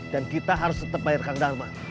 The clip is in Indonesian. dan kita harus tetap bayarkan dama